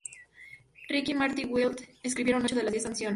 Ricky y Marty Wilde escribieron ocho de las diez canciones.